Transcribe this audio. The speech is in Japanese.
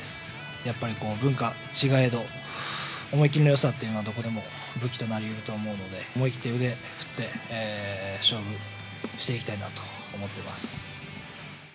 やっぱりこう、文化違えど、思い切りのよさっていうのは、どこでも武器となりうると思うので、思い切って腕振って、勝負していきたいなと思っています。